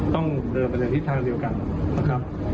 ต้องเดินไปในทิศทางเดียวกันนะครับ